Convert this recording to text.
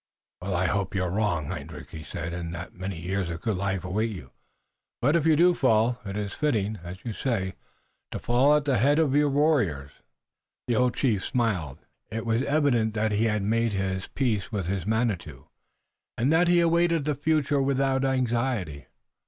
"I hope you are wrong, Hendrik," he said, "and that many years of good life await you, but if you do fall it is fitting, as you say, to fall at the head of your warriors." The old chief smiled. It was evident that he had made his peace with his Manitou, and that he awaited the future without anxiety.